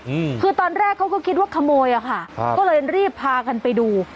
อืมคือตอนแรกเขาก็คิดว่าขโมยอ่ะค่ะอ่าก็เลยรีบพากันไปดู